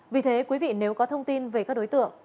vì thế quý vị nếu có thông tin về các đối tượng